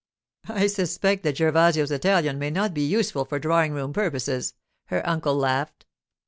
'I suspect that Gervasio's Italian may not be useful for drawing room purposes,' her uncle laughed.